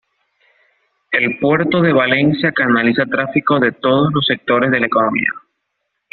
El puerto de Valencia canaliza tráfico de todos los sectores de la economía.